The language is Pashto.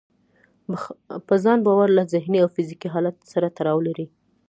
په ځان باور له ذهني او فزيکي حالت سره تړاو لري.